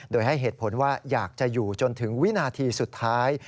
โดยให้เหตุผลว่าอยากจะอยู่จนถึงวินาทีสุดท้าย